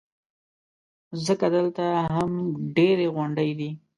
ځکه دلته هم ډېرې غونډۍ دي.